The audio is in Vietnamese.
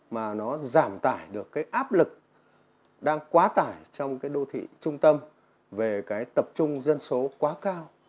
mà nó giảm tải được cái áp lực đang quá tải trong cái đô thị trung tâm về cái tập trung dân số quá cao